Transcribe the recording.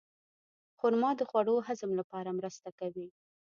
خرما د خوړو د هضم لپاره مرسته کوي.